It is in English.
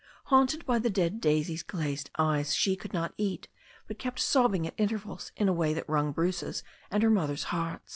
Haunted by the dead Daisy's glazed eyes she could not eat, but kept sobbing at intervals in a way that wrung Bruce's and her mother's heart.